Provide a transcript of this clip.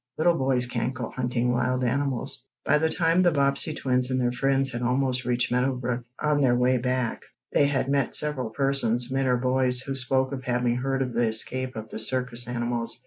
"Little boys can't go hunting wild animals." By the time the Bobbsey twins and their friends had almost reached Meadow Brook, on their way back, they had met several persons men or boys who spoke of having heard of the escape of the circus animals.